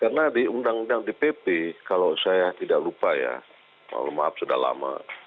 karena di undang undang di pp kalau saya tidak lupa ya maaf sudah lama